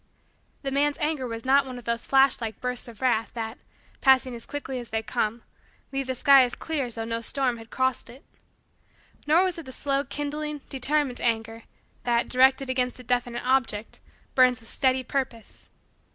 The man's anger was not one of those flash like bursts of wrath, that, passing as quickly as they come, leave the sky as clear as though no storm had crossed it. Nor was it the slow kindling, determined, anger, that, directed against a definite object, burns with steady purpose.